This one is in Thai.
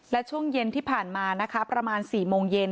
และช่วงเย็นที่ผ่านมานะคะประมาณ๔โมงเย็น